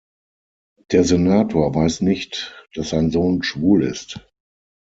Der Senator weiß nicht, dass sein Sohn schwul ist.